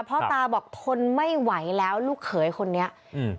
พ่อตาบอกทนไม่ไหวแล้วลูกเขยคนนี้อืม